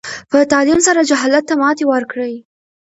په تعلیم سره جهالت ته ماتې ورکړئ.